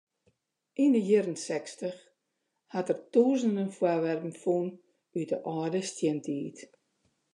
Yn de jierren sechstich hat er tûzenen foarwerpen fûn út de âlde stientiid.